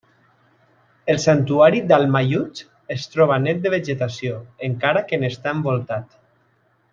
El santuari d'Almallutx es troba net de vegetació, encara que n'està envoltat.